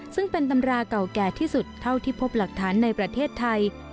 ซึ่งเป็นตำราเก่าแก่ที่สุดเท่าที่พบหลักฐานในประเทศไทย